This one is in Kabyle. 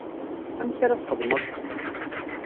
Amek ara txedmeḍ?